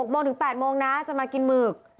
โมงถึง๘โมงนะจะมากินหมึก